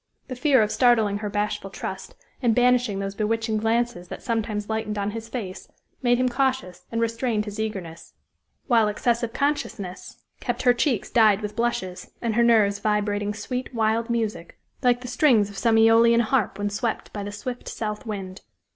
The fear of startling her bashful trust, and banishing those bewitching glances that sometimes lightened on his face, made him cautious, and restrained his eagerness; while excessive consciousness kept her cheeks dyed with blushes, and her nerves vibrating sweet, wild music, like the strings of some aeolian harp when swept by the swift south wind.